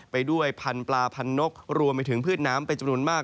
ไปด้วยพันธุปลาพันนกรวมไปถึงพืชน้ำเป็นจำนวนมาก